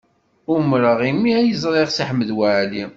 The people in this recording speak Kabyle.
Umreɣ imi ay ẓriɣ Si Ḥmed Waɛli.